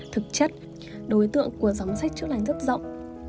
thực chất đối tượng của dòng sách chữa lành rất rộng